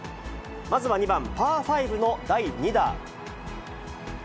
まずは２番、パー５の第２打。